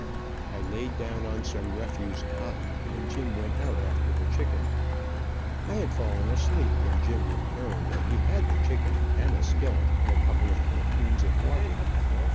I laid down on some refuse cotton, and Jim went out after the chicken. I had fallen asleep when Jim returned, and he had the chicken, and a skillet, and a couple of canteens of water.